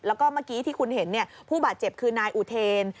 แล้วก็เมื่อกี้ที่คุณเห็นผู้บาดเจ็บคือนายอุเทน